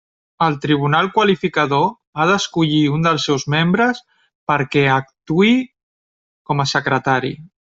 El tribunal qualificador ha d'escollir un dels seus membres perquè actuï com a secretari.